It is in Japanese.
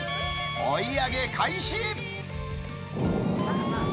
追い上げ開始！